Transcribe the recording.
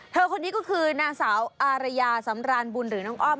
คนนี้ก็คือนางสาวอารยาสำรานบุญหรือน้องอ้อม